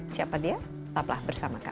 siapa dia tetaplah bersama kami